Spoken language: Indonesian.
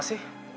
kamu bisa jemput